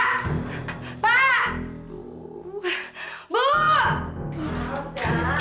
apa sih kamu cerit cerit